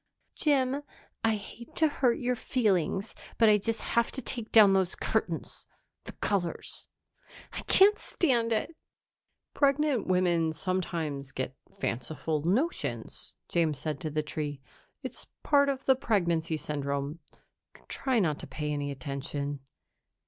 "Jim, I hate to hurt your feelings, but I just have to take down those curtains. The colors I can't stand it!" "Pregnant women sometimes get fanciful notions," James said to the tree. "It's part of the pregnancy syndrome. Try not to pay any attention."